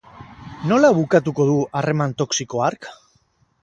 Nola bukatuko du harreman toxiko hark?